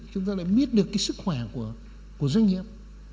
chúng ta lại biết được cái sức khỏe của doanh nghiệp